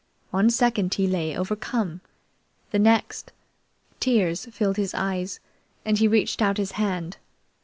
One second he lay overcome; the next, tears filled his eyes, and he reached out his hand.